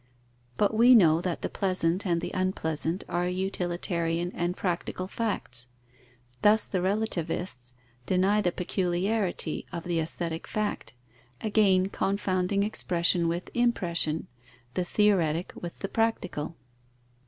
But we know that the pleasant and the unpleasant are utilitarian and practical facts. Thus the relativists deny the peculiarity of the aesthetic fact, again confounding expression with impression, the theoretic with the practical.